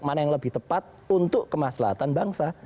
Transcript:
mana yang lebih tepat untuk kemaslahan bangsa